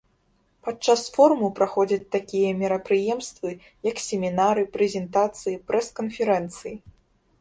Падчас форуму праходзяць такія мерапрыемствы, як семінары, прэзентацыі, прэс-канферэнцыі.